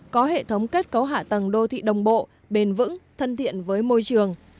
có hệ thống kết cấu hạ tầng đô thị đồng bộ bền vững thân thiện với môi trường